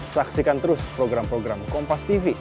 saksikan terus program program kompastv